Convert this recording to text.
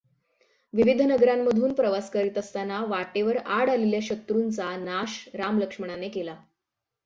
विविध नगरांमधून प्रवास करीत असताना वाटेवर आड आलेल्या शत्रूंचा नाश राम लक्ष्मणाने केला.